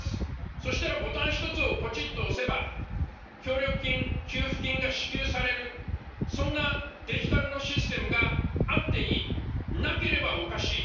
そしたらボタン一つをぽちっと押せば、協力金、給付金が支給される、そんなデジタルのシステムがあっていい、なければおかしい。